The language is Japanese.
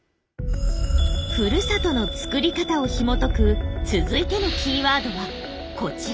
「ふるさとの作り方」をひもとく続いてのキーワードはこちら。